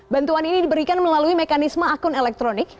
bantuan ini diberikan melalui mekanisme akun elektronik